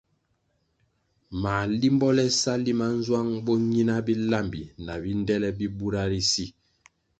Mā limbo le sa limanzwang bo nyina bilambi na bindele bi bura ri si!